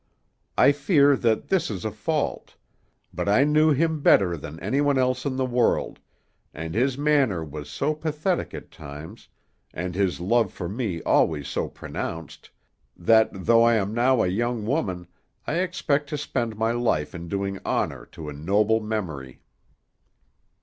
I fear that this is a fault; but I knew him better than anyone else in the world, and his manner was so pathetic at times, and his love for me always so pronounced, that, though I am now a young woman, I expect to spend my life in doing honor to a noble memory."